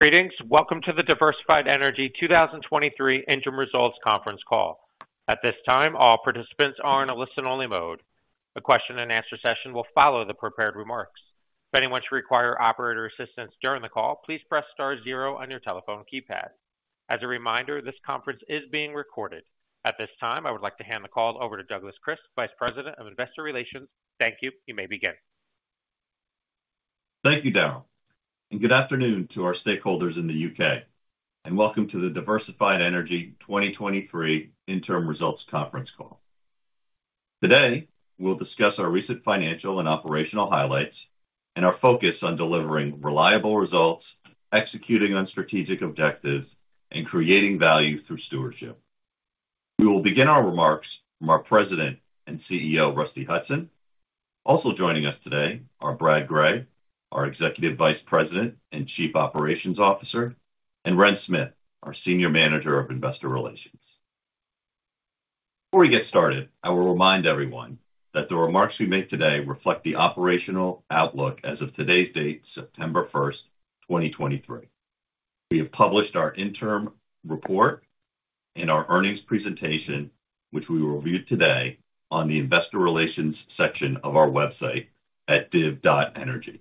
Greetings. Welcome to the Diversified Energy 2023 Interim Results Conference Call. At this time, all participants are in a listen-only mode. A question-and-answer session will follow the prepared remarks. If anyone should require operator assistance during the call, please press star zero on your telephone keypad. As a reminder, this conference is being recorded. At this time, I would like to hand the call over to Douglas Kris, Vice President of Investor Relations. Thank you. You may begin. Thank you, Daryl, and good afternoon to our stakeholders in the U.K., and welcome to the Diversified Energy 2023 Interim Results Conference Call. Today, we'll discuss our recent financial and operational highlights and our focus on delivering reliable results, executing on strategic objectives, and creating value through stewardship. We will begin our remarks from our President and CEO, Rusty Hutson. Also joining us today are Brad Gray, our Executive Vice President and Chief Operating Officer, and Wren Smith, our Senior Manager of Investor Relations. Before we get started, I will remind everyone that the remarks we make today reflect the operational outlook as of today's date, September 1, 2023. We have published our interim report and our earnings presentation, which we will review today on the investor relations section of our website at div.energy.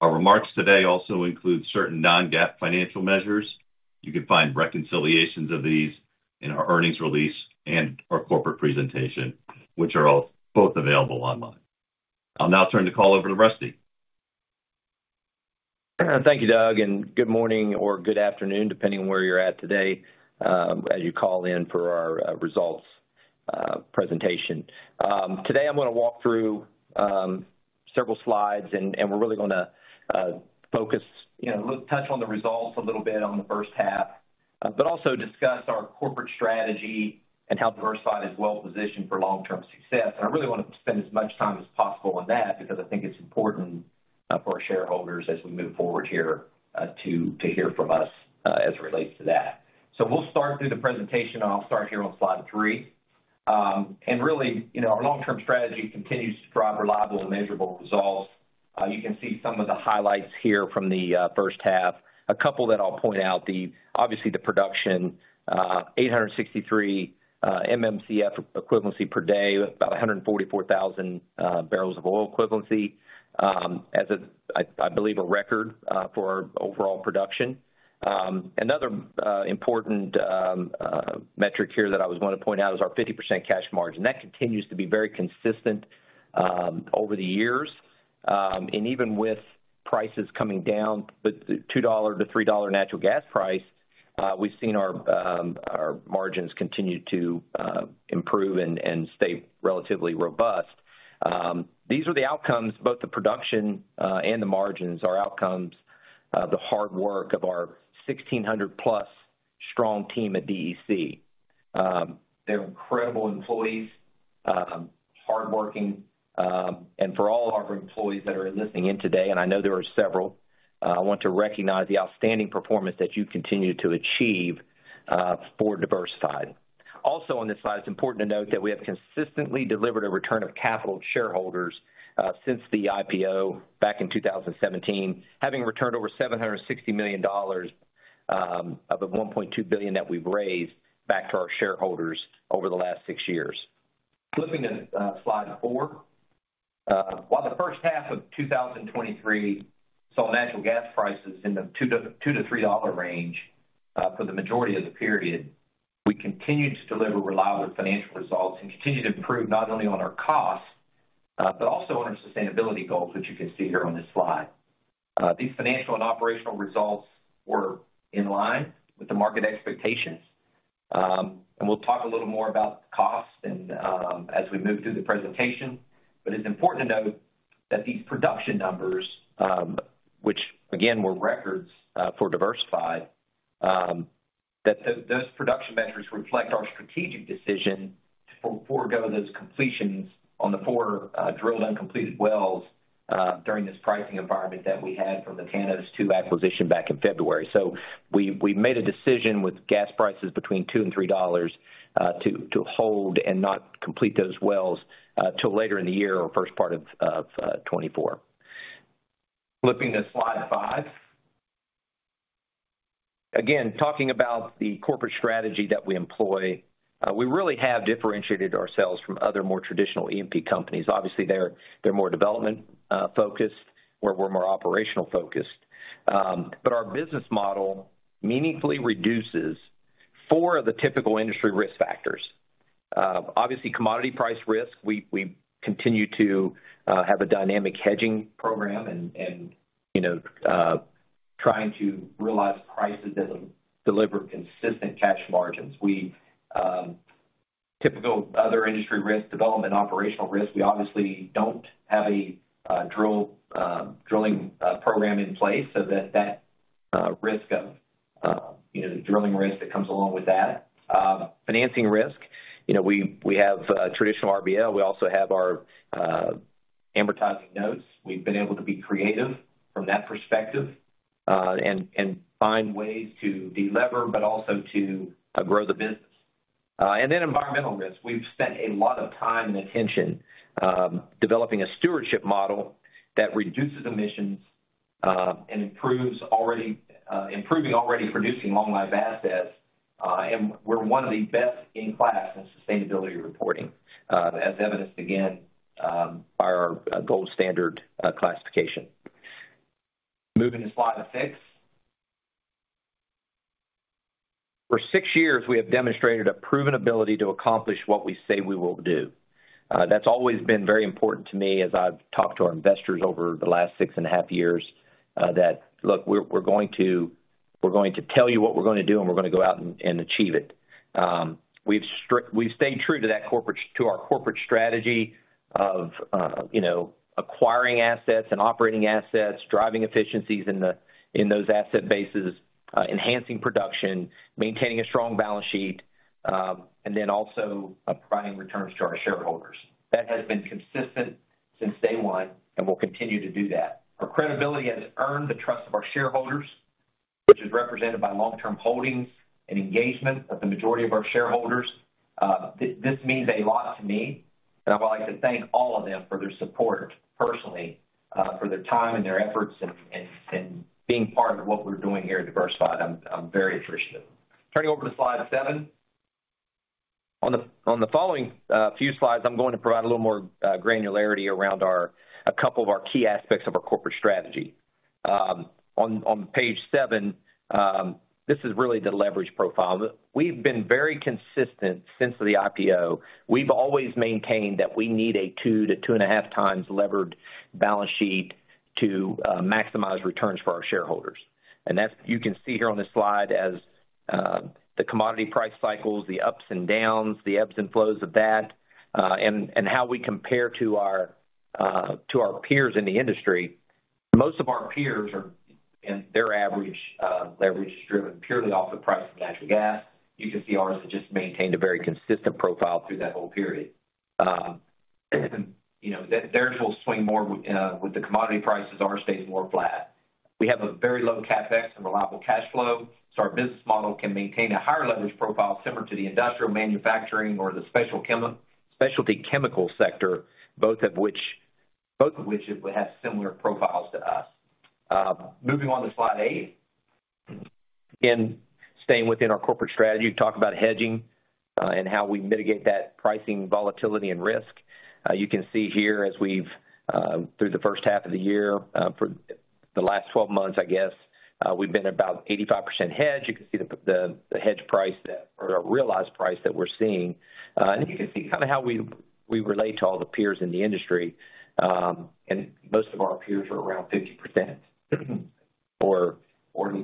Our remarks today also include certain non-GAAP financial measures. You can find reconciliations of these in our earnings release and our corporate presentation, which are all both available online. I'll now turn the call over to Rusty. Thank you, Doug, and good morning or good afternoon, depending on where you're at today, as you call in for our results presentation. Today, I'm gonna walk through several slides, and we're really gonna focus, you know, touch on the results a little bit on the first half, but also discuss our corporate strategy and how Diversified is well-positioned for long-term success. And I really want to spend as much time as possible on that because I think it's important for our shareholders as we move forward here to hear from us as it relates to that. So we'll start through the presentation. I'll start here on slide three. Really, you know, our long-term strategy continues to drive reliable and measurable results. You can see some of the highlights here from the first half. A couple that I'll point out, obviously, the production, 863 MMcf equivalency per day, about 144,000 barrels of oil equivalent, as I believe a record, for our overall production. Another important metric here that I was going to point out is our 50% cash margin. That continues to be very consistent over the years, and even with prices coming down, with the $2-$3 natural gas price, we've seen our margins continue to improve and stay relatively robust. These are the outcomes, both the production and the margins, our outcomes, the hard work of our 1,600+ strong team at DEC. They're incredible employees, hardworking, and for all of our employees that are listening in today, and I know there are several, I want to recognize the outstanding performance that you continue to achieve for Diversified. Also on this slide, it's important to note that we have consistently delivered a return of capital to shareholders since the IPO back in 2017, having returned over $760 million of the $1.2 billion that we've raised back to our shareholders over the last six years. Flipping to slide four. While the first half of 2023 saw natural gas prices in the $2-$3 range for the majority of the period, we continued to deliver reliable financial results and continued to improve not only on our costs, but also on our sustainability goals, which you can see here on this slide. These financial and operational results were in line with the market expectations. And we'll talk a little more about costs and as we move through the presentation. But it's important to note that these production numbers, which again, were records for Diversified, that those production metrics reflect our strategic decision to forgo those completions on the four drilled uncompleted wells during this pricing environment that we had from the Tanos II acquisition back in February. So we made a decision with gas prices between $2 and $3 to hold and not complete those wells till later in the year or first part of 2024. Flipping to slide five. Again, talking about the corporate strategy that we employ, we really have differentiated ourselves from other, more traditional E&P companies. Obviously, they're more development focused, where we're more operational focused. But our business model meaningfully reduces four of the typical industry risk factors. Obviously, commodity price risk, we continue to have a dynamic hedging program and, you know, trying to realize prices that deliver consistent cash margins. We, typical other industry risks, development, operational risks, we obviously don't have a, drill, drilling, program in place, so that, that, risk of, you know, drilling risk that comes along with that. Financing risk, you know, we, we have, traditional RBL. We also have our, amortizing notes. We've been able to be creative from that perspective, and, and find ways to delever but also to, grow the business. And then environmental risk. We've spent a lot of time and attention, developing a stewardship model that reduces emissions, and improves already, improving already producing long-life assets. And we're one of the best in class in sustainability reporting, as evidenced again, by our gold standard classification. Moving to slide six. For six years, we have demonstrated a proven ability to accomplish what we say we will do. That's always been very important to me as I've talked to our investors over the last six and a half years, that, look, we're, we're going to, we're going to tell you what we're gonna do, and we're gonna go out and, and achieve it. We've stayed true to our corporate strategy of, you know, acquiring assets and operating assets, driving efficiencies in the, in those asset bases, enhancing production, maintaining a strong balance sheet, and then also providing returns to our shareholders. That has been consistent since day one, and we'll continue to do that. Our credibility has earned the trust of our shareholders, which is represented by long-term holdings and engagement of the majority of our shareholders. This means a lot to me, and I would like to thank all of them for their support personally for their time and their efforts and being part of what we're doing here at Diversified. I'm very appreciative. Turning over to slide seven. On the following few slides, I'm going to provide a little more granularity around a couple of our key aspects of our corporate strategy. On page seven, this is really the leverage profile. We've been very consistent since the IPO. We've always maintained that we need a 2x-2.5x levered balance sheet to maximize returns for our shareholders. And that's you can see here on this slide as the commodity price cycles, the ups and downs, the ebbs and flows of that, and, and how we compare to our to our peers in the industry. Most of our peers are, and their average leverage is driven purely off the price of natural gas. You can see ours has just maintained a very consistent profile through that whole period. You know, their, theirs will swing more w with the commodity prices. Ours stays more flat. We have a very low CapEx and reliable cash flow, so our business model can maintain a higher leverage profile similar to the industrial manufacturing or the special chem, specialty chemical sector, both of which, both of which it would have similar profiles to us. Moving on to slide eight. Again, staying within our corporate strategy, talk about hedging, and how we mitigate that pricing, volatility, and risk. You can see here as we've, through the first half of the year, for the last 12 months, I guess, we've been about 85% hedged. You can see the hedge price that or the realized price that we're seeing. And you can see kind of how we relate to all the peers in the industry. And most of our peers are around 50%, or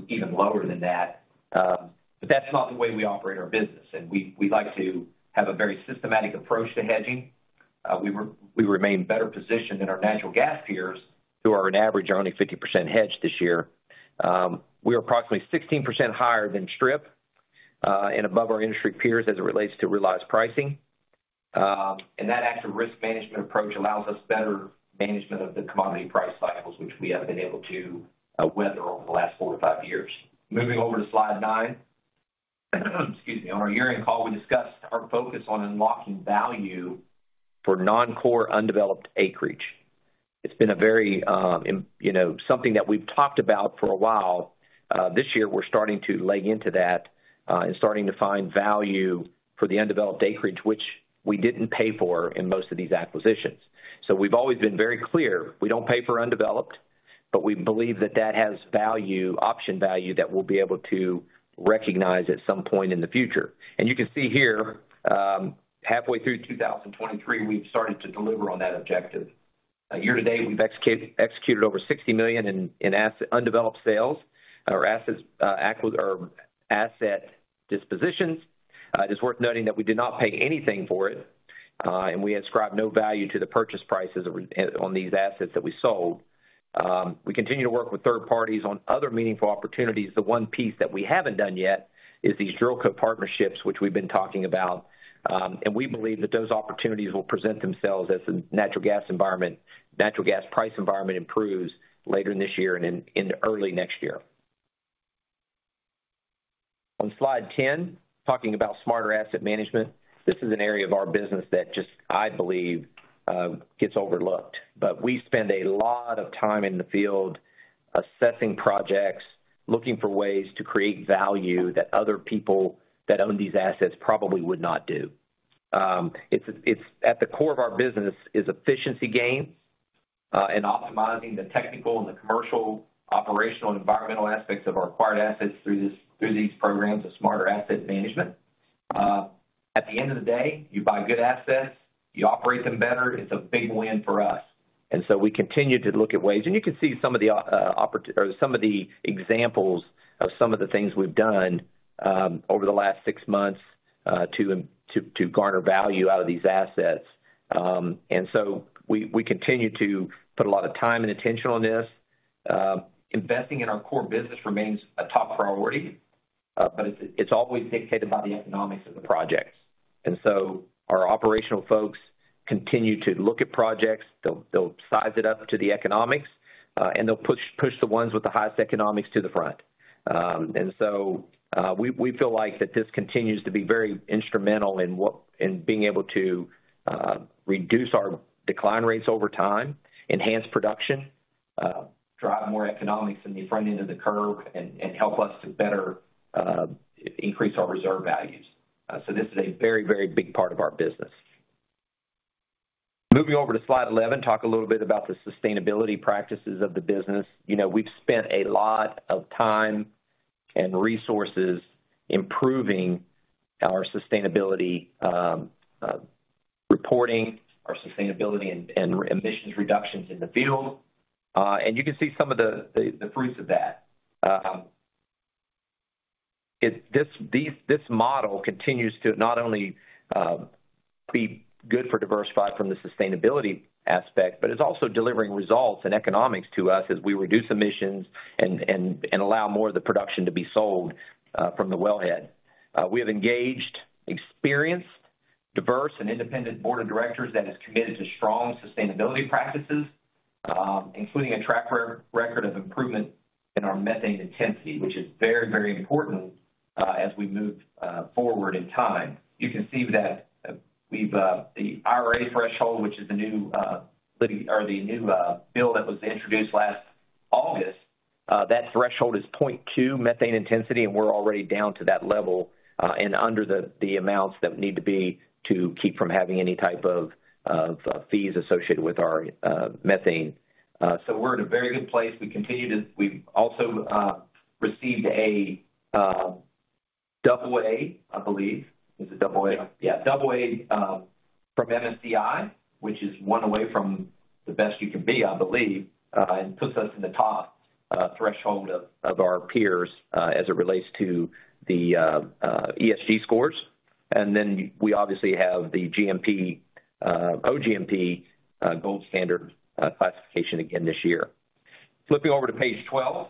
even lower than that. But that's not the way we operate our business, and we like to have a very systematic approach to hedging. We remain better positioned than our natural gas peers, who on average are only 50% hedged this year. We are approximately 16% higher than strip, and above our industry peers as it relates to realized pricing. And that active risk management approach allows us better management of the commodity price cycles, which we have been able to weather over the last four to five years. Moving over to slide nine. Excuse me. On our earnings call, we discussed our focus on unlocking value for non-core, undeveloped acreage. It's been a very, you know, something that we've talked about for a while. This year, we're starting to lean into that, and starting to find value for the undeveloped acreage, which we didn't pay for in most of these acquisitions. So we've always been very clear, we don't pay for undeveloped, but we believe that that has value, option value, that we'll be able to recognize at some point in the future. You can see here, halfway through 2023, we've started to deliver on that objective. Year to date, we've executed over $60 million in asset undeveloped sales. Our assets or asset dispositions. It's worth noting that we did not pay anything for it, and we ascribed no value to the purchase prices on these assets that we sold. We continue to work with third parties on other meaningful opportunities. The one piece that we haven't done yet is these drill bit partnerships, which we've been talking about. And we believe that those opportunities will present themselves as the natural gas environment, natural gas price environment improves later this year and in early next year. On slide 10, talking about smarter asset management. This is an area of our business that just, I believe, gets overlooked. But we spend a lot of time in the field assessing projects, looking for ways to create value that other people that own these assets probably would not do. It's at the core of our business, efficiency gain, and optimizing the technical and the commercial, operational, and environmental aspects of our acquired assets through these programs of smarter asset management. At the end of the day, you buy good assets, you operate them better; it's a big win for us. And so we continue to look at ways, and you can see some of the examples of some of the things we've done over the last six months to garner value out of these assets. And so we continue to put a lot of time and attention on this. Investing in our core business remains a top priority, but it's always dictated by the economics of the projects. Our operational folks continue to look at projects, they'll size it up to the economics, and they'll push the ones with the highest economics to the front. We feel like that this continues to be very instrumental in being able to reduce our decline rates over time, enhance production, drive more economics in the front end of the curve, and help us to better increase our reserve values. So this is a very, very big part of our business. Moving over to slide 11, talk a little bit about the sustainability practices of the business. You know, we've spent a lot of time and resources improving our sustainability reporting, our sustainability and emissions reductions in the field. You can see some of the fruits of that. This model continues to not only be good for Diversified from the sustainability aspect, but it's also delivering results and economics to us as we reduce emissions and allow more of the production to be sold from the wellhead. We have engaged, experienced, diverse, and independent board of directors that is committed to strong sustainability practices, including a track record of improvement in our methane intensity, which is very, very important as we move forward in time. You can see that we've the IRA threshold, which is the new, or the new, bill that was introduced last August, that threshold is point two methane intensity, and we're already down to that level, and under the, the amounts that need to be to keep from having any type of, fees associated with our, methane. So we're in a very good place. We've also received a double A, I believe. Is it double A? Yeah, double A from MSCI, which is one away from the best you can be, I believe, and puts us in the top threshold of our peers as it relates to the ESG scores. And then we obviously have the GMP OGMP Gold Standard classification again this year. Flipping over to page 12.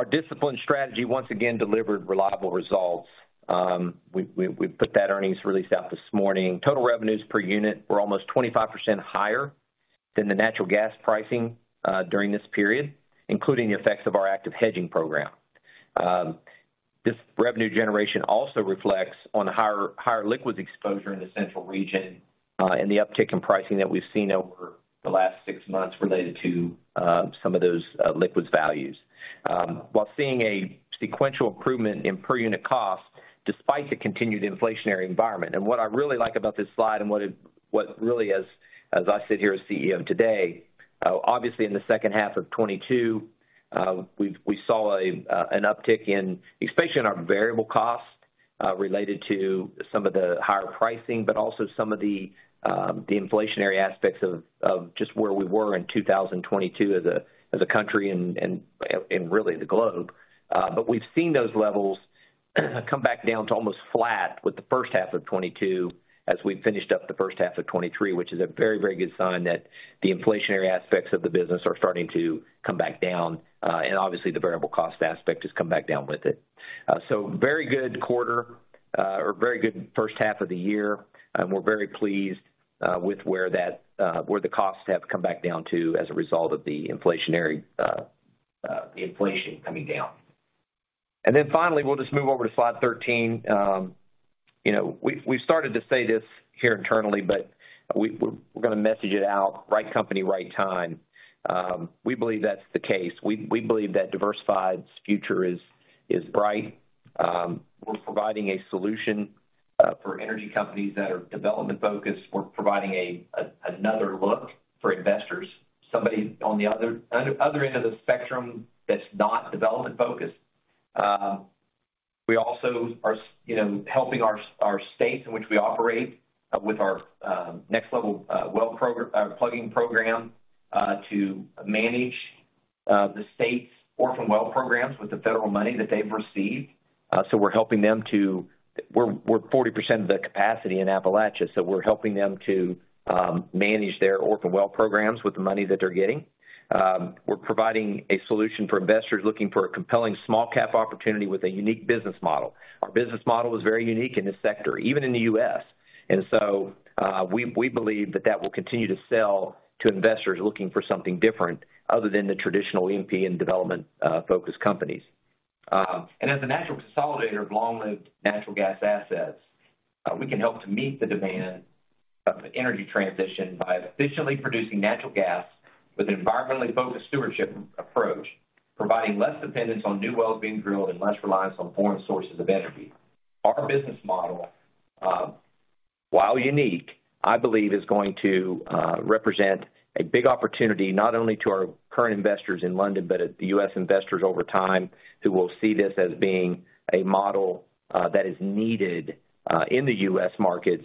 Our discipline strategy once again delivered reliable results. We put that earnings release out this morning. Total revenues per unit were almost 25% higher than the natural gas pricing during this period, including the effects of our active hedging program. This revenue generation also reflects on the higher, higher liquids exposure in the Central Region, and the uptick in pricing that we've seen over the last six months related to some of those liquids values. While seeing a sequential improvement in per unit costs despite the continued inflationary environment. And what I really like about this slide and what really, as I sit here as CEO today, obviously, in the second half of 2022, we saw an uptick in, especially in our variable costs, related to some of the higher pricing, but also some of the, the inflationary aspects of just where we were in 2022 as a, as a country and really the globe. But we've seen those levels come back down to almost flat with the first half of 2022 as we've finished up the first half of 2023, which is a very, very good sign that the inflationary aspects of the business are starting to come back down, and obviously, the variable cost aspect has come back down with it. So very good quarter, or very good first half of the year. And we're very pleased with where the costs have come back down to as a result of the inflation coming down. And then finally, we'll just move over to slide 13. You know, we've started to say this here internally, but we're gonna message it out: right company, right time. We believe that's the case. We believe that Diversified's future is bright. We're providing a solution for energy companies that are development-focused. We're providing another look for investors, somebody on the other end of the spectrum that's not development-focused. We also are, you know, helping our, our states in which we operate with our Next LVL well program, plugging program to manage the state's orphan well programs with the federal money that they've received. So we're helping them to. We're, we're 40% of the capacity in Appalachia, so we're helping them to manage their orphan well programs with the money that they're getting. We're providing a solution for investors looking for a compelling small cap opportunity with a unique business model. Our business model is very unique in this sector, even in the U.S. And so, we, we believe that that will continue to sell to investors looking for something different other than the traditional E&P and development focused companies. And as a natural consolidator of long-lived natural gas assets, we can help to meet the demand of the energy transition by efficiently producing natural gas with an environmentally focused stewardship approach, providing less dependence on new wells being drilled and less reliance on foreign sources of energy. Our business model, while unique, I believe, is going to represent a big opportunity, not only to our current investors in London, but at the U.S. investors over time, who will see this as being a model, that is needed, in the U.S. markets,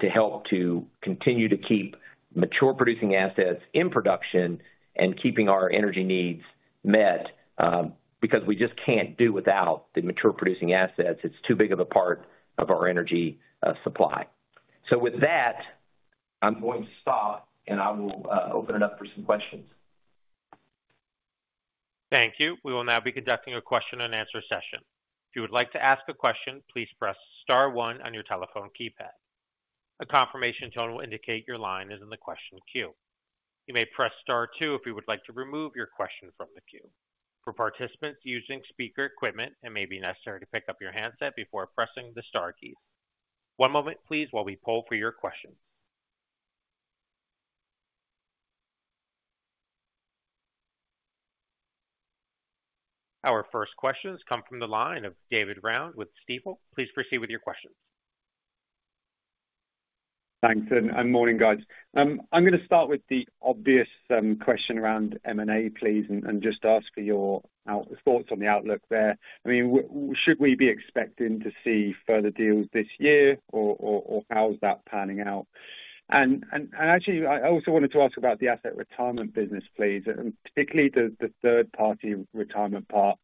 to help to continue to keep mature producing assets in production and keeping our energy needs met, because we just can't do without the mature producing assets. It's too big of a part of our energy supply. So with that, I'm going to stop, and I will open it up for some questions. Thank you. We will now be conducting a question and answer session. If you would like to ask a question, please press star one on your telephone keypad. A confirmation tone will indicate your line is in the question queue. You may press star two if you would like to remove your question from the queue. For participants using speaker equipment, it may be necessary to pick up your handset before pressing the star key. One moment, please, while we poll for your question. Our first questions come from the line of David Round with Stifel. Please proceed with your questions. Thanks and morning, guys. I'm going to start with the obvious question around M&A, please, and just ask for your thoughts on the outlook there. I mean, should we be expecting to see further deals this year or how is that panning out? Actually, I also wanted to ask about the asset retirement business, please, and particularly the third-party retirement part.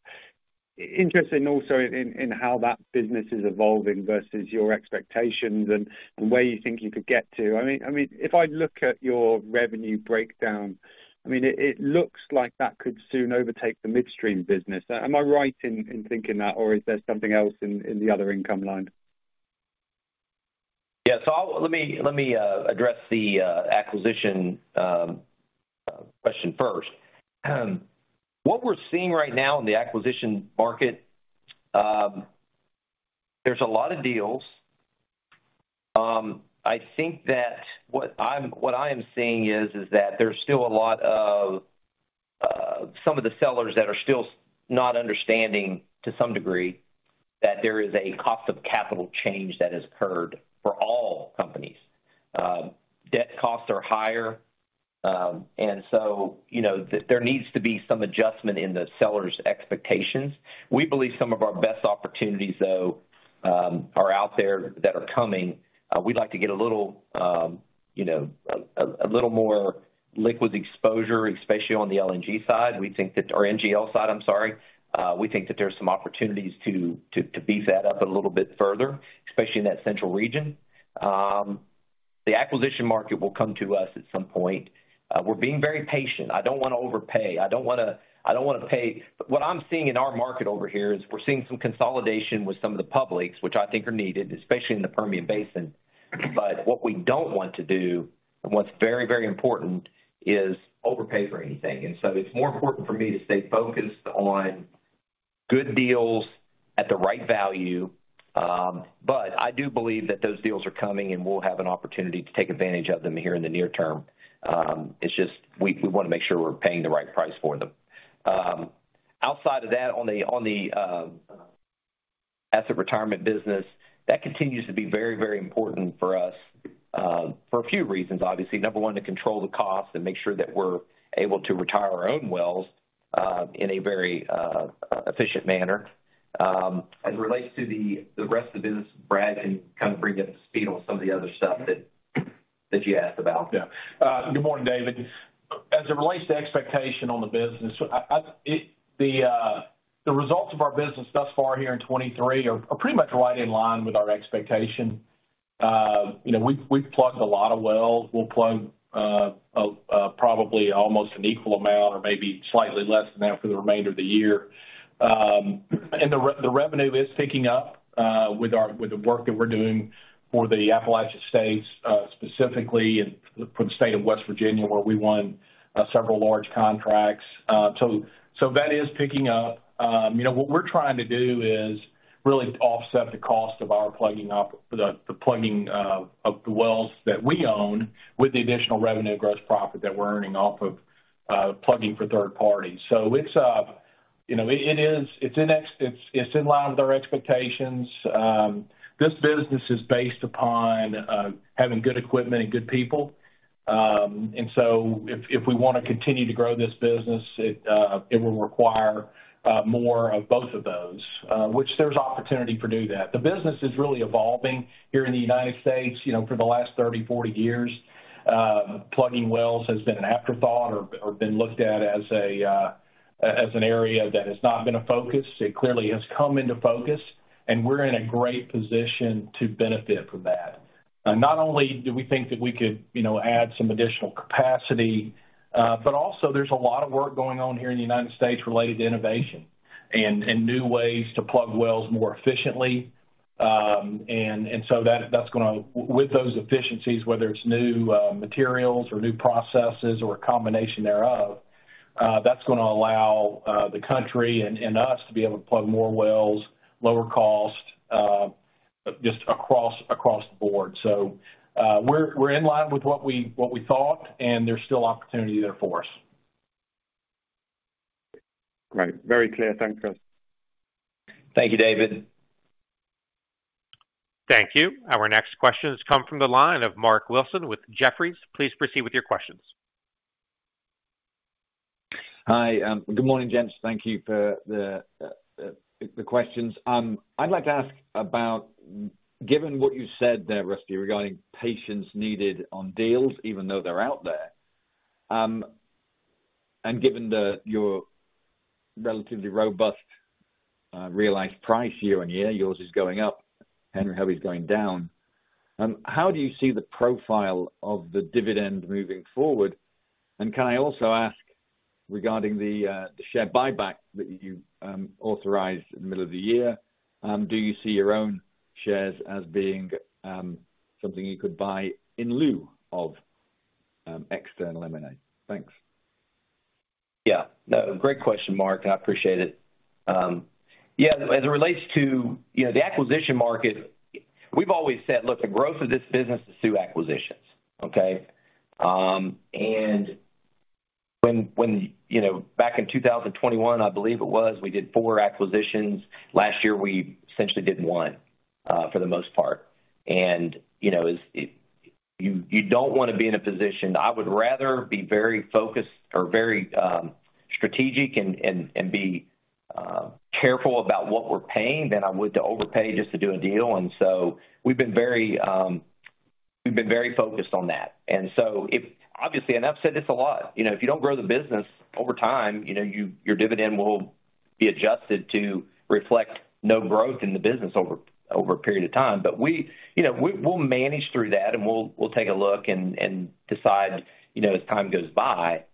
Interested also in how that business is evolving versus your expectations and where you think you could get to. I mean, if I look at your revenue breakdown, it looks like that could soon overtake the midstream business. Am I right in thinking that, or is there something else in the other income line? Yeah, so I'll let me address the acquisition question first. What we're seeing right now in the acquisition market, there's a lot of deals. I think that what I am seeing is that there's still a lot of some of the sellers that are still not understanding, to some degree, that there is a cost of capital change that has occurred for all companies. Debt costs are higher, and so, you know, there needs to be some adjustment in the seller's expectations. We believe some of our best opportunities, though, are out there that are coming. We'd like to get a little, you know, a little more liquid exposure, especially on the LNG side. We think that. Or NGL side, I'm sorry. We think that there's some opportunities to beef that up a little bit further, especially in that Central Region. The acquisition market will come to us at some point. We're being very patient. I don't want to overpay. I don't wanna pay. What I'm seeing in our market over here is we're seeing some consolidation with some of the publics, which I think are needed, especially in the Permian Basin. But what we don't want to do, and what's very, very important, is overpay for anything. And so it's more important for me to stay focused on good deals at the right value, but I do believe that those deals are coming, and we'll have an opportunity to take advantage of them here in the near term. It's just we want to make sure we're paying the right price for them. Outside of that, on the asset retirement business, that continues to be very, very important for us, for a few reasons, obviously. Number one, to control the cost and make sure that we're able to retire our own wells, in a very efficient manner. As it relates to the rest of the business, Brad can kind of bring up to speed on some of the other stuff that you asked about. Yeah. Good morning, David. As it relates to expectation on the business, the results of our business thus far here in 2023 are pretty much right in line with our expectation. You know, we've plugged a lot of wells. We'll plug probably almost an equal amount or maybe slightly less than that for the remainder of the year. And the revenue is picking up with the work that we're doing for the Appalachian States, specifically and for the state of West Virginia, where we won several large contracts. So that is picking up. You know, what we're trying to do is really offset the cost of our plugging up the plugging of the wells that we own, with the additional revenue and gross profit that we're earning off of plugging for third parties. So it's you know, it is in line with our expectations. This business is based upon having good equipment and good people. And so if we want to continue to grow this business, it will require more of both of those, which there's opportunity to do that. The business is really evolving here in the United States. You know, for the last 30, 40 years, plugging wells has been an afterthought or been looked at as an area that has not been a focus. It clearly has come into focus, and we're in a great position to benefit from that. Not only do we think that we could, you know, add some additional capacity, but also there's a lot of work going on here in the United States related to innovation and new ways to plug wells more efficiently. With those efficiencies, whether it's new materials or new processes or a combination thereof, that's gonna allow the country and us to be able to plug more wells, lower cost, just across the board. So, we're in line with what we thought, and there's still opportunity there for us. Great. Very clear. Thank you. Thank you, David. Thank you. Our next questions come from the line of Mark Wilson with Jefferies. Please proceed with your questions. Hi, good morning, gents. Thank you for the questions. I'd like to ask about, given what you said there, Rusty, regarding patience needed on deals, even though they're out there, and given your relatively robust realized price year on year, yours is going up, Henry Hub is going down. How do you see the profile of the dividend moving forward? And can I also ask regarding the share buyback that you authorized in the middle of the year, do you see your own shares as being something you could buy in lieu of external M&A? Thanks. Yeah. No, great question, Mark, and I appreciate it. Yeah, as it relates to, you know, the acquisition market, we've always said, look, the growth of this business is through acquisitions, okay? And when you know, back in 2021, I believe it was, we did four acquisitions. Last year, we essentially did one, for the most part. And, you know, you don't want to be in a position. I would rather be very focused or very strategic and be careful about what we're paying than I would to overpay just to do a deal. And so we've been very focused on that. Obviously, and I've said this a lot, you know, if you don't grow the business over time, you know, your dividend will be adjusted to reflect no growth in the business over a period of time. But we, you know, we'll manage through that, and we'll take a look and decide, you know, as time goes by.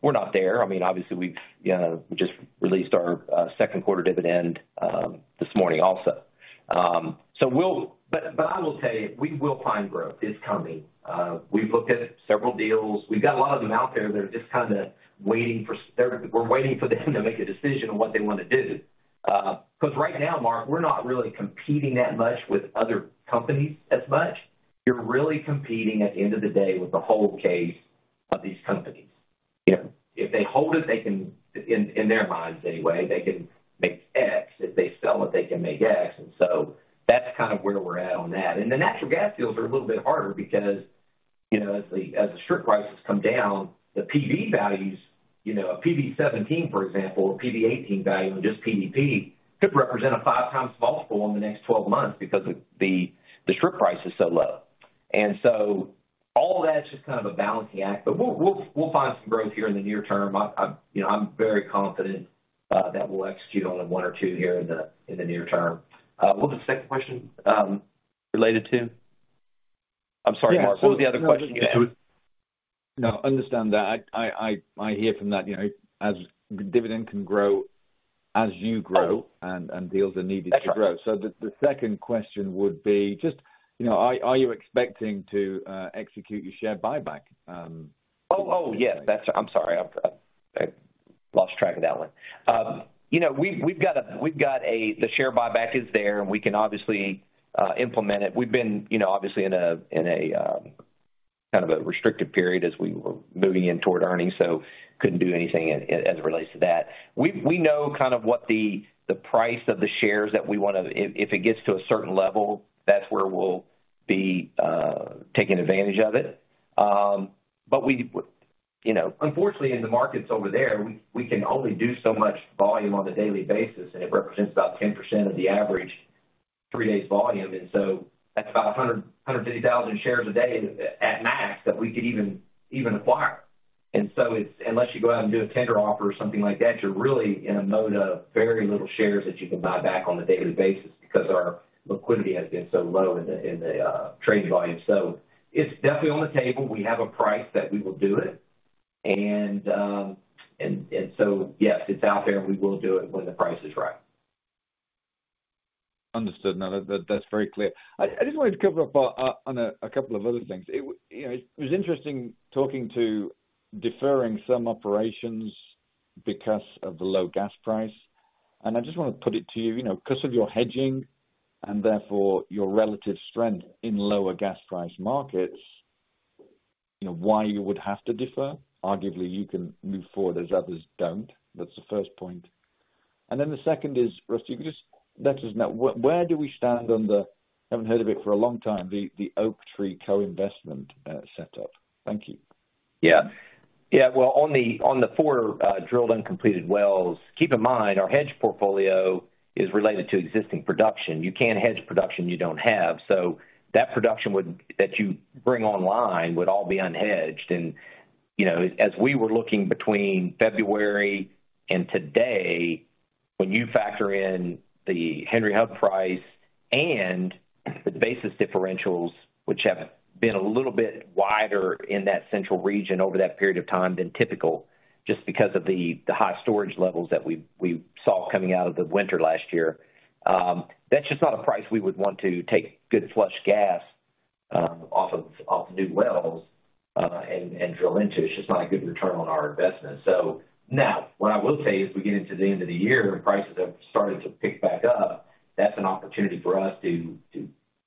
We're not there. I mean, obviously, we've, you know, just released our second quarter dividend this morning also. So, but I will tell you, we will find growth. It's coming. We've looked at several deals. We've got a lot of them out there that are just kind of waiting for. We're waiting for them to make a decision on what they want to do. Because right now, Mark, we're not really competing that much with other companies as much. You're really competing, at the end of the day, with the hold case of these companies. You know, if they hold it, they can, in their minds anyway, they can make X. If they sell it, they can make X, and so that's kind of where we're at on that. And the natural gas fields are a little bit harder because, you know, as the strip prices come down, the PV values, you know, a PV-17, for example, or PV-18 value on just PDP, could represent a 5x multiple in the next 12 months because the strip price is so low. And so all that's just kind of a balancing act, but we'll find some growth here in the near term. I, you know, I'm very confident that we'll execute on one or two here in the near term. What was the second question related to? I'm sorry, Mark, what was the other question again? No, I understand that. I hear from that, you know, as dividend can grow, as you grow, and deals are needed to grow. Got you. The second question would be just, you know, are you expecting to execute your share buyback? Oh, yes, that's. I'm sorry. I lost track of that one. You know, we've got a, the share buyback is there, and we can obviously implement it. We've been, you know, obviously in a, in a kind of a restricted period as we were moving in toward earnings, so couldn't do anything as it relates to that. We know kind of what the price of the shares that we want to, if it gets to a certain level, that's where we'll be taking advantage of it. But we, you know, unfortunately, in the markets over there, we can only do so much volume on a daily basis, and it represents about 10% of the average three-day volume. That's about 100-150,000 shares a day at max that we could even acquire. So it's, unless you go out and do a tender offer or something like that, you're really in a mode of very little shares that you can buy back on a daily basis because our liquidity has been so low in the trading volume. So it's definitely on the table. We have a price that we will do it. And so, yes, it's out there, and we will do it when the price is right. Understood. No, that, that's very clear. I just wanted to cover up on a couple of other things. It, you know, it was interesting talking about deferring some operations because of the low gas price, and I just want to put it to you, you know, because of your hedging and therefore your relative strength in lower gas price markets, you know, why you would have to defer? Arguably, you can move forward as others don't. That's the first point. And then the second is, Rusty, could you just let us know, where do we stand on the, haven't heard of it for a long time, the, the Oaktree co-investment, setup? Thank you. Yeah. Yeah, well, on the four drilled and completed wells, keep in mind, our hedge portfolio is related to existing production. You can't hedge production you don't have, so that production would, that you bring online would all be unhedged. And, you know, as we were looking between February and today, when you factor in the Henry Hub price and the basis differentials, which have been a little bit wider in that Central Region over that period of time than typical, just because of the high storage levels that we saw coming out of the winter last year, that's just not a price we would want to take good flush gas off of new wells and drill into. It's just not a good return on our investment. So now, what I will say, as we get into the end of the year and prices have started to pick back up, that's an opportunity for us to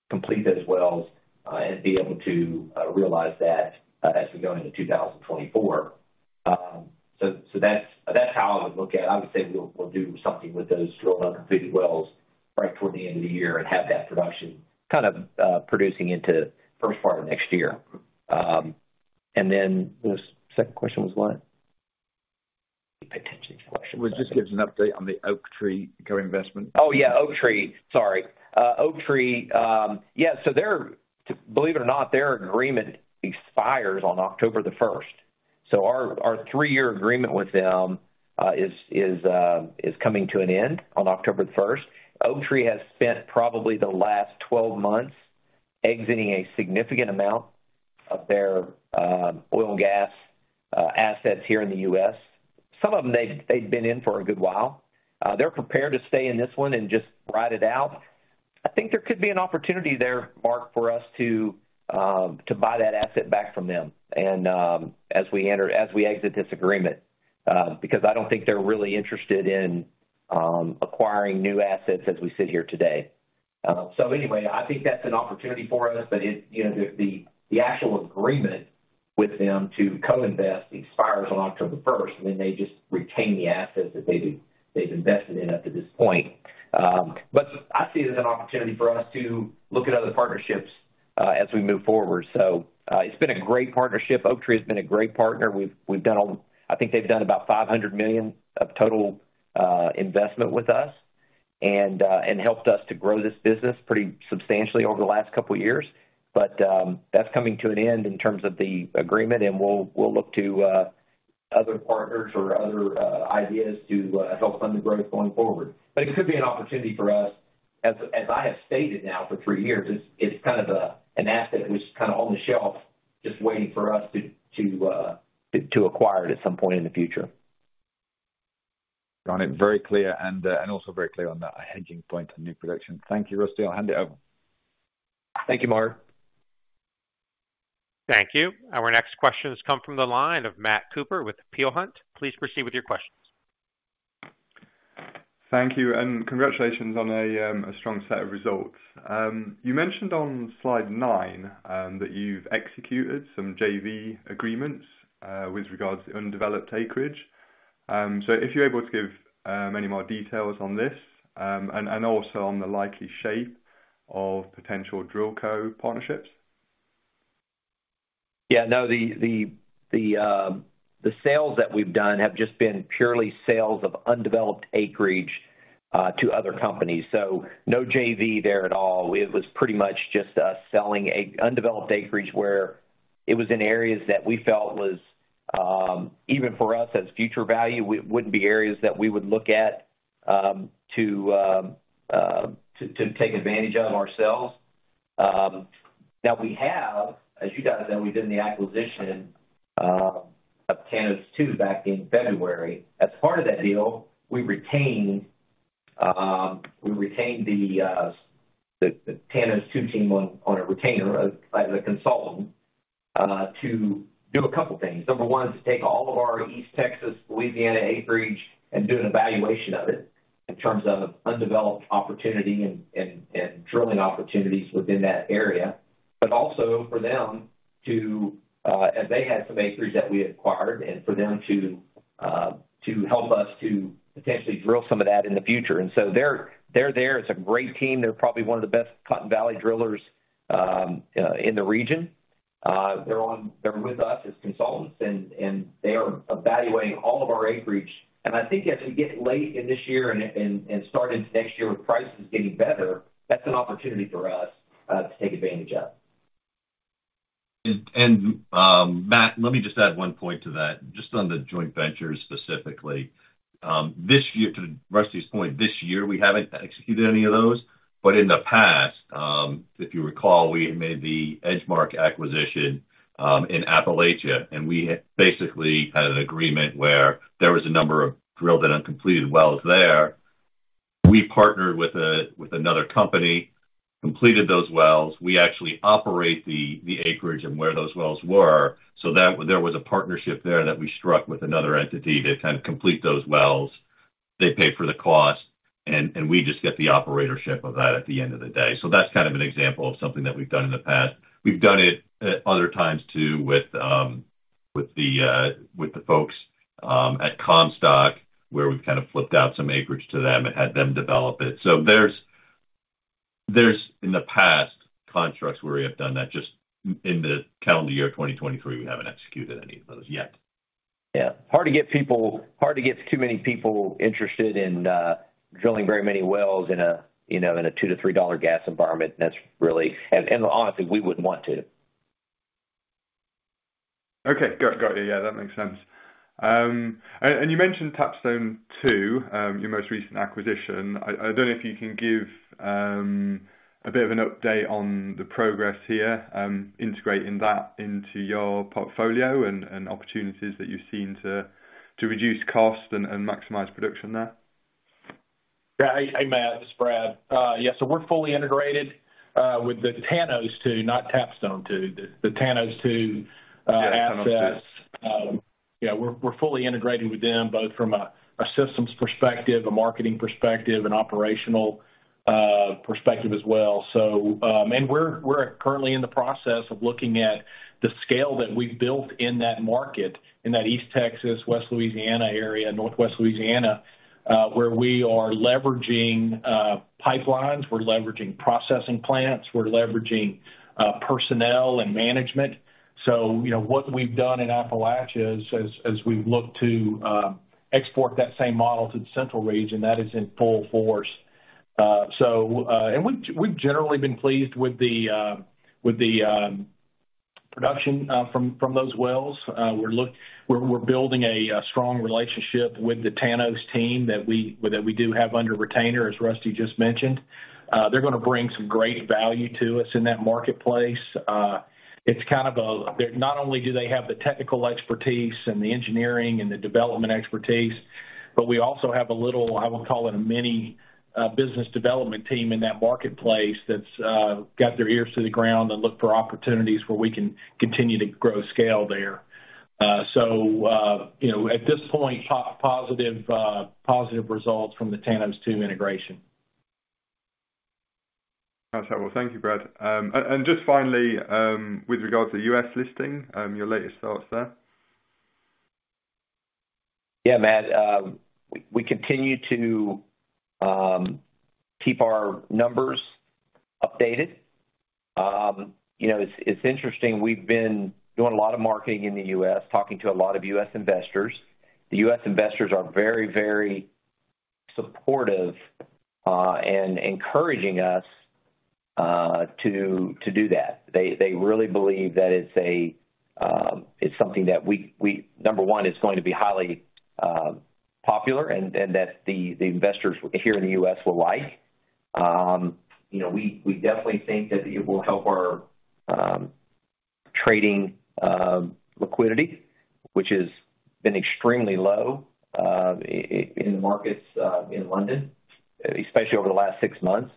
complete those wells and be able to realize that as we go into 2024. So that's how I would look at it. I would say we'll do something with those drilled and completed wells right toward the end of the year and have that production kind of producing into the first part of next year. And then the second question was what? Potential question. Just give us an update on the Oaktree co-investment. Oh, yeah, Oaktree. Sorry. Oaktree, yeah, so their—believe it or not, their agreement expires on October the first. So our three-year agreement with them is coming to an end on October the first. Oaktree has spent probably the last 12 months exiting a significant amount of their oil and gas assets here in the U.S. Some of them, they've been in for a good while. They're prepared to stay in this one and just ride it out. I think there could be an opportunity there, Mark, for us to buy that asset back from them, and as we exit this agreement, because I don't think they're really interested in acquiring new assets as we sit here today. So anyway, I think that's an opportunity for us, but it, you know, the, the actual agreement with them to co-invest expires on October first, and then they just retain the assets that they've, they've invested in up to this point. But I see it as an opportunity for us to look at other partnerships, as we move forward. So, it's been a great partnership. Oaktree has been a great partner. We've, we've done a. I think they've done about $500 million of total investment with us and, and helped us to grow this business pretty substantially over the last couple of years. But, that's coming to an end in terms of the agreement, and we'll, we'll look to, other partners or other, ideas to, help fund the growth going forward. But it could be an opportunity for us, as I have stated now for three years, it's kind of an asset that's kind of on the shelf, just waiting for us to acquire it at some point in the future. Got it. Very clear, and also very clear on the hedging point on new production. Thank you, Rusty. I'll hand it over. Thank you, Mark. Thank you. Our next questions come from the line of Matt Cooper with Peel Hunt. Please proceed with your questions. Thank you, and congratulations on a strong set of results. You mentioned on slide nine that you've executed some JV agreements with regards to undeveloped acreage. So if you're able to give any more details on this, and also on the likely shape of potential DrillCo partnerships? Yeah, no, the sales that we've done have just been purely sales of undeveloped acreage to other companies. So no JV there at all. It was pretty much just us selling undeveloped acreage where it was in areas that we felt was, even for us, as future value, wouldn't be areas that we would look at to take advantage of ourselves. Now we have, as you guys know, we did in the acquisition of Tanos II back in February. As part of that deal, we retained the Tanos II team on a retainer as a consultant to do a couple of things. Number one, to take all of our East Texas, Louisiana, acreage, and do an evaluation of it in terms of undeveloped opportunity and drilling opportunities within that area, but also for them to, as they had some acreage that we acquired, and for them to, to help us to potentially drill some of that in the future. And so they're there. It's a great team. They're probably one of the best Cotton Valley drillers in the region. They're with us as consultants, and they are evaluating all of our acreage. And I think as we get late in this year and start into next year, with prices getting better, that's an opportunity for us to take advantage of. Matt, let me just add one point to that, just on the joint ventures, specifically. This year, to Rusty's point, this year, we haven't executed any of those, but in the past, if you recall, we made the EdgeMarc acquisition in Appalachia, and we basically had an agreement where there was a number of drilled and uncompleted wells there. We partnered with another company, completed those wells. We actually operate the acreage and where those wells were, so that there was a partnership there that we struck with another entity to kind of complete those wells. They pay for the cost, and we just get the operatorship of that at the end of the day. So that's kind of an example of something that we've done in the past. We've done it at other times, too, with, with the folks at Comstock, where we've kinda flipped out some acreage to them and had them develop it. So there's, there's, in the past, constructs where we have done that. Just in the calendar year, 2023, we haven't executed any of those yet. Yeah. Hard to get too many people interested in, you know, drilling very many wells in a $2-$3 gas environment. That's really. And honestly, we wouldn't want to. Okay, got you. Yeah, that makes sense. And you mentioned Tanos II, your most recent acquisition. I don't know if you can give a bit of an update on the progress here, integrating that into your portfolio and opportunities that you've seen to reduce costs and maximize production there. Yeah. Hey, Matt, this is Brad. Yeah, so we're fully integrated with the Tanos II, not Tapstone II, the Tanos II assets. Yeah, Tanos II. Yeah, we're fully integrated with them, both from a systems perspective, a marketing perspective, an operational perspective as well. So, and we're currently in the process of looking at the scale that we've built in that market, in that East Texas, West Louisiana area, Northwest Louisiana, where we are leveraging pipelines, we're leveraging processing plants, we're leveraging personnel and management. So, you know, what we've done in Appalachia as we've looked to export that same model to the Central Region, that is in full force. So, and we've generally been pleased with the production from those wells. We're building a strong relationship with the Tanos team that we do have under retainer, as Rusty just mentioned. They're gonna bring some great value to us in that marketplace. It's kind of a not only do they have the technical expertise and the engineering and the development expertise, but we also have a little, I would call it, a mini business development team in that marketplace that's got their ears to the ground and look for opportunities where we can continue to grow scale there. So, you know, at this point, positive results from the Tanos II integration. Okay. Well, thank you, Brad. And just finally, with regards to U.S. Listing, your latest thoughts there? Yeah, Matt, we continue to keep our numbers updated. You know, it's interesting, we've been doing a lot of marketing in the U.S., talking to a lot of U.S. investors. The U.S. investors are very supportive and encouraging us to do that. They really believe that it's something that we. Number one, it's going to be highly popular and that the investors here in the US will like. You know, we definitely think that it will help our trading liquidity, which has been extremely low in the markets in London, especially over the last six months.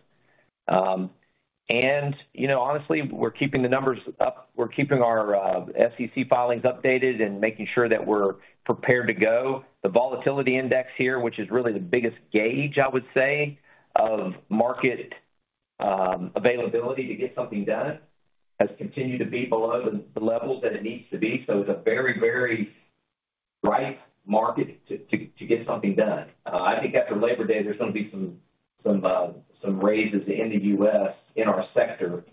And, you know, honestly, we're keeping the numbers up. We're keeping our SEC filings updated and making sure that we're prepared to go. The volatility index here, which is really the biggest gauge, I would say, of market availability to get something done, has continued to be below the levels that it needs to be. So it's a very, very ripe market to get something done. I think after Labor Day, there's gonna be some raises in the U.S. in our sector.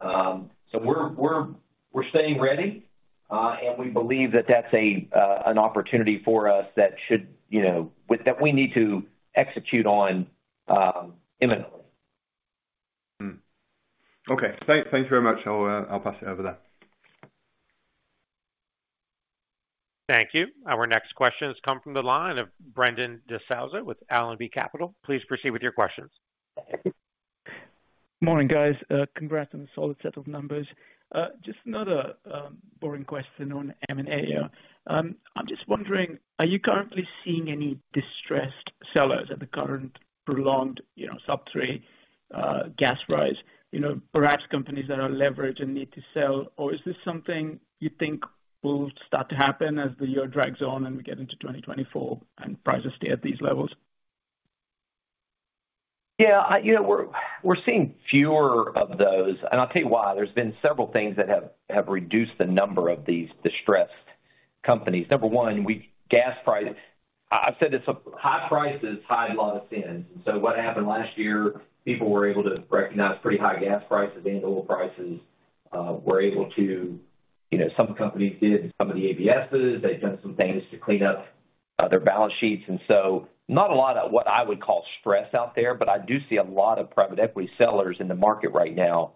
So we're staying ready, and we believe that that's an opportunity for us that should, you know, that we need to execute on, imminently. Okay. Thanks very much. I'll pass it over there. Thank you. Our next question has come from the line of Brendan D'Souza, with Allenby Capital. Please proceed with your questions. Morning, guys. Congrats on the solid set of numbers. Just another boring question on M&A. I'm just wondering, are you currently seeing any distressed sellers at the current prolonged, you know, sub-$3 gas price? You know, perhaps companies that are leveraged and need to sell, or is this something you think will start to happen as the year drags on and we get into 2024 and prices stay at these levels? Yeah, you know, we're seeing fewer of those, and I'll tell you why. There's been several things that have reduced the number of these distressed companies. Number one, gas prices. I've said it's high prices hide a lot of sins. And so what happened last year, people were able to recognize pretty high gas prices and oil prices were able to, you know, some companies did, and some of the ABSs, they've done some things to clean up their balance sheets. And so not a lot of what I would call stress out there, but I do see a lot of private equity sellers in the market right now,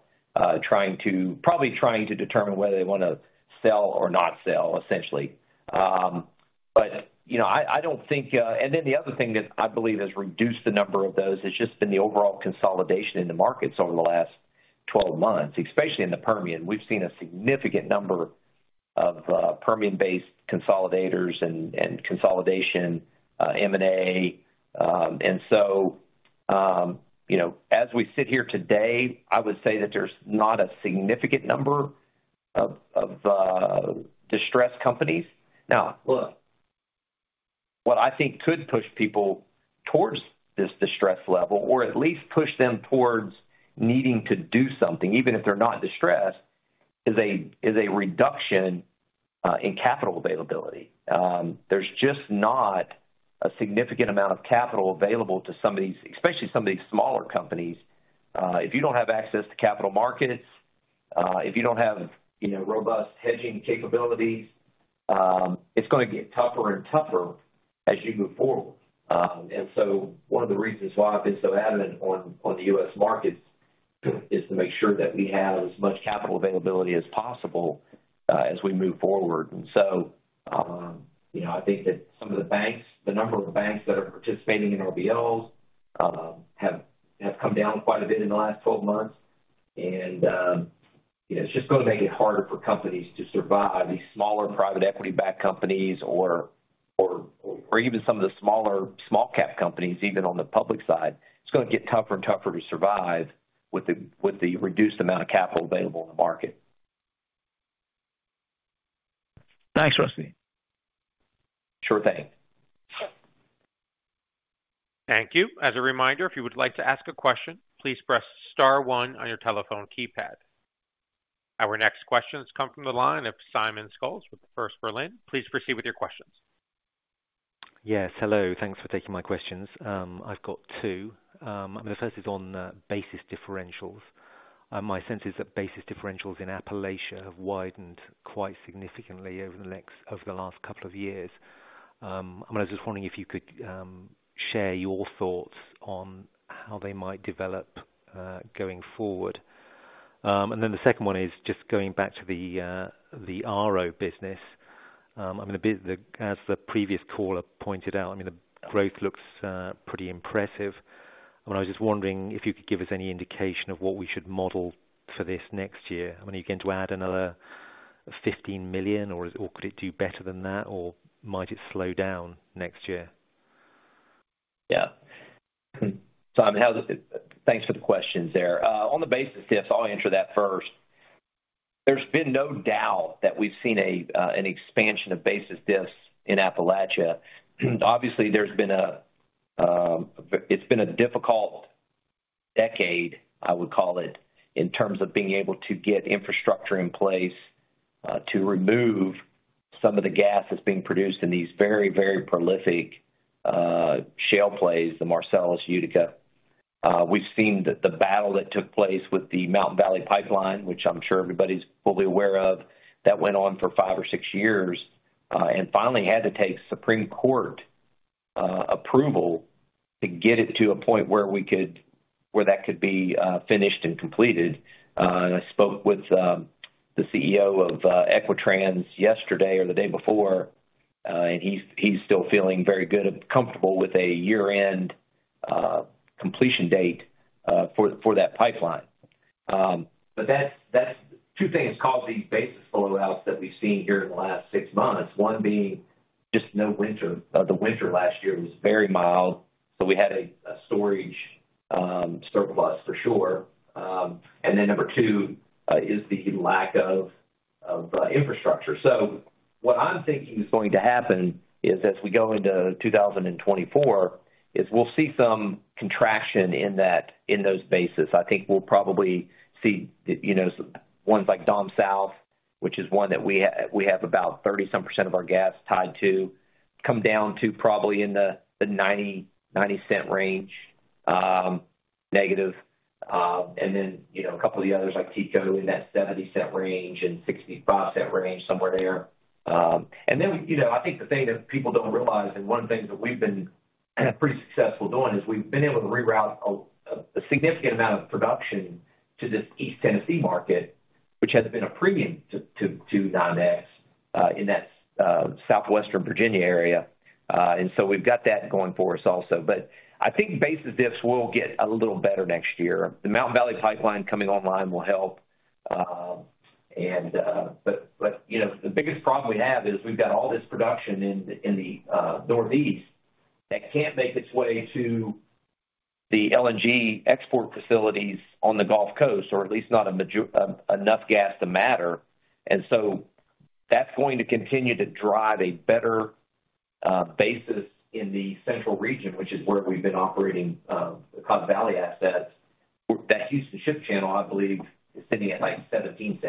trying to probably trying to determine whether they want to sell or not sell, essentially. But, you know, I don't think. Then the other thing that I believe has reduced the number of those has just been the overall consolidation in the markets over the last 12 months, especially in the Permian. We've seen a significant number of Permian-based consolidators and consolidation M&A. And so, you know, as we sit here today, I would say that there's not a significant number of distressed companies. Now, look, what I think could push people towards this distressed level, or at least push them towards needing to do something, even if they're not distressed, is a reduction in capital availability. There's just not a significant amount of capital available to some of these, especially some of these smaller companies. If you don't have access to capital markets, if you don't have, you know, robust hedging capabilities, it's gonna get tougher and tougher as you move forward. And so one of the reasons why I've been so adamant on the U.S. markets is to make sure that we have as much capital availability as possible, as we move forward. And so, you know, I think that some of the banks, the number of banks that are participating in RBLs, have come down quite a bit in the last 12 months. And, you know, it's just gonna make it harder for companies to survive, these smaller, private equity-backed companies or even some of the smaller small cap companies, even on the public side. It's gonna get tougher and tougher to survive with the reduced amount of capital available in the market. Thanks, Rusty. Sure thing. Thank you. As a reminder, if you would like to ask a question, please press star one on your telephone keypad. Our next question has come from the line of Simon Scholes, with the First Berlin. Please proceed with your questions. Yes, hello. Thanks for taking my questions. I've got two. The first is on basis differentials. My sense is that basis differentials in Appalachia have widened quite significantly over the last couple of years. I was just wondering if you could share your thoughts on how they might develop going forward. And then the second one is just going back to the RO business. I mean, as the previous caller pointed out, I mean, the growth looks pretty impressive. I was just wondering if you could give us any indication of what we should model for this next year. I mean, are you going to add another $15 million, or could it do better than that, or might it slow down next year? Yeah. Simon, how's the. Thanks for the questions there. On the basis diffs, I'll answer that first. There's been no doubt that we've seen a, an expansion of basis diffs in Appalachia. Obviously, there's been a, it's been a difficult decade, I would call it, in terms of being able to get infrastructure in place, to remove some of the gas that's being produced in these very, very prolific, shale plays, the Marcellus Utica. We've seen the, the battle that took place with the Mountain Valley Pipeline, which I'm sure everybody's fully aware of, that went on for five or six years, and finally had to take Supreme Court, approval to get it to a point where we could, where that could be, finished and completed. And I spoke with the CEO of Equitrans yesterday or the day before, and he's still feeling very good and comfortable with a year-end completion date for that pipeline. But that's. Two things caused these basis blowouts that we've seen here in the last six months. One being just no winter. The winter last year was very mild, so we had a storage surplus for sure. And then number two is the lack of infrastructure. So what I'm thinking is going to happen is as we go into 2024, is we'll see some contraction in that, in those bases. I think we'll probably see, you know, ones like Dom South, which is one that we have about 30% of our gas tied to, come down to probably in the -$0.90 range. And then, you know, a couple of the others, like TCO, in that $0.70 range and $0.65 range, somewhere there. And then, you know, I think the thing that people don't realize, and one of the things that we've been pretty successful doing, is we've been able to reroute a significant amount of production to this East Tennessee market, which has been a premium to Dom South in that southwestern Virginia area. And so we've got that going for us also. But I think basis diffs will get a little better next year. The Mountain Valley Pipeline coming online will help. And but but you know, the biggest problem we have is we've got all this production in the, in the, Northeast that can't make its way to the LNG export facilities on the Gulf Coast, or at least not a major—enough gas to matter. And so that's going to continue to drive a better basis in the Central Region, which is where we've been operating the Cotton Valley assets. That Houston Ship Channel, I believe, is sitting at, like, $0.17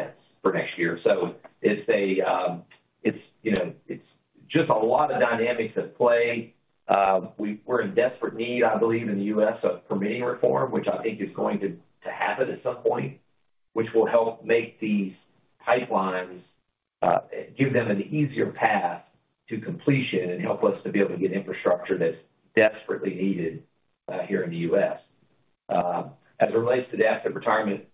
for next year. So it's a, it's you know, it's just a lot of dynamics at play. We're in desperate need, I believe, in the U.S., of permitting reform, which I think is going to happen at some point, which will help make these pipelines give them an easier path to completion and help us to be able to get infrastructure that's desperately needed here in the U.S. As it relates to the asset retirement,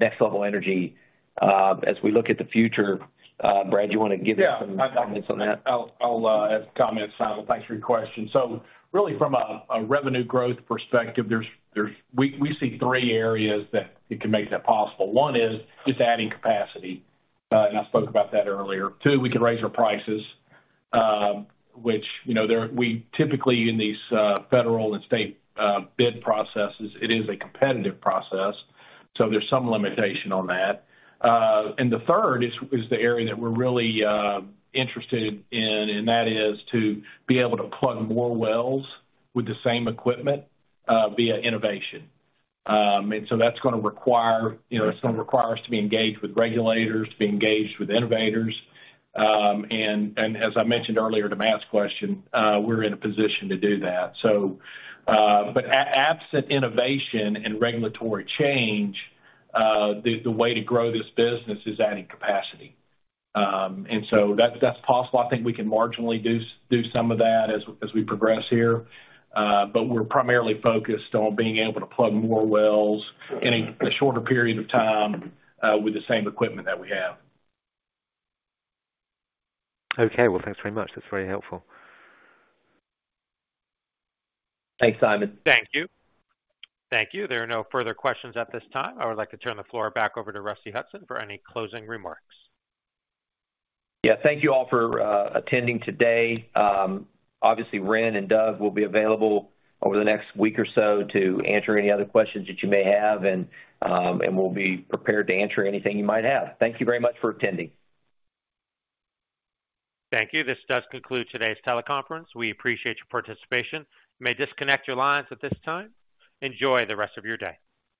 Next LVL Energy, as we look at the future, Brad, you want to give us some comments on that? Yeah. I'll have comments, Simon. Thanks for your question. So really, from a revenue growth perspective, there's we see three areas that it can make that possible. One is just adding capacity, and I spoke about that earlier. Two, we could raise our prices, which, you know, there we typically in these federal and state bid processes, it is a competitive process, so there's some limitation on that. And the third is the area that we're really interested in, and that is to be able to plug more wells with the same equipment via innovation. And so that's gonna require, you know, it's gonna require us to be engaged with regulators, to be engaged with innovators. And as I mentioned earlier to Matt's question, we're in a position to do that. So, but absent innovation and regulatory change, the way to grow this business is adding capacity. And so that's possible. I think we can marginally do some of that as we progress here, but we're primarily focused on being able to plug more wells in a shorter period of time, with the same equipment that we have. Okay. Well, thanks very much. That's very helpful. Thanks, Simon. Thank you. Thank you. There are no further questions at this time. I would like to turn the floor back over to Rusty Hutson for any closing remarks. Yeah, thank you all for attending today. Obviously, Wren and Doug will be available over the next week or so to answer any other questions that you may have, and, and we'll be prepared to answer anything you might have. Thank you very much for attending. Thank you. This does conclude today's teleconference. We appreciate your participation. You may disconnect your lines at this time. Enjoy the rest of your day.